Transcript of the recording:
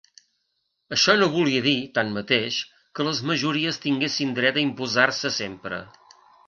Això no volia dir, tanmateix, que les majories tinguessin dret a imposar-se sempre.